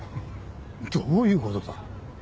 どういうことだ？